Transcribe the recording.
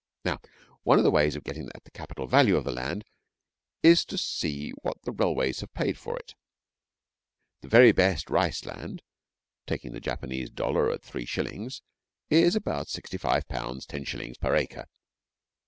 Now, one of the ways of getting at the capital value of the land is to see what the railways have paid for it. The very best rice land, taking the Japanese dollar at three shillings, is about £65:10s per acre.